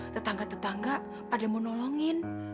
tetangga tetangga pada mau nolongin